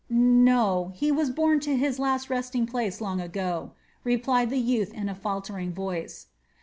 "No, he was borne to his last resting place long ago," replied the youth in a faltering voice.